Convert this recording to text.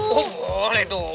oh boleh dong